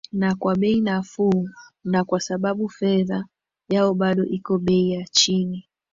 na kwa bei nafuu na kwa sababu fedha yao bado iko bei ya chini